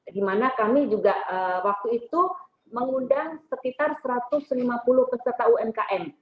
di mana kami juga waktu itu mengundang sekitar satu ratus lima puluh peserta umkm